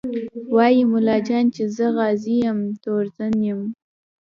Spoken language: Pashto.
وايي ملا جان چې زه غازي یم تورزن یم